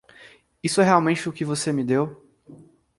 Isso é realmente o que você me deu?